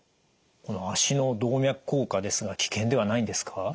この脚の動脈硬化ですが危険ではないんですか？